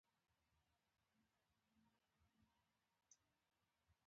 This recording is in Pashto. مدر ټریسا په هند کې د بې وزلو خدمت وکړ.